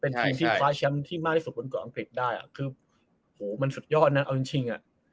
เป็นทีมที่คว้าแชมป์ที่มากที่สุดบนเกาะอังกฤษได้อ่ะคือโหมันสุดยอดนะเอาจริงจริงอ่ะ